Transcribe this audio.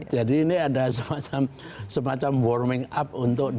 jadi ini ada semacam warming up untuk dua ribu sembilan belas